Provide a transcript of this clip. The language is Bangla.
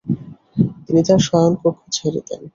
তিনি তার শয়নকক্ষ ছেড়ে দেন।